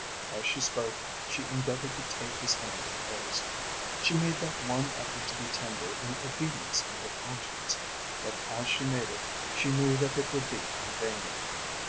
As she spoke she endeavoured to take his hand in hers. She made that one effort to be tender in obedience to her conscience, but as she made it she knew that it would be in vain.